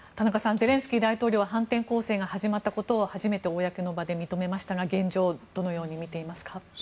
ゼレンスキー大統領は反転攻勢が始まったことを初めて公の場で認めましたが現状をどのように見ていますか？